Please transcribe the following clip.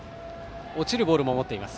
落ちるボールも持っています。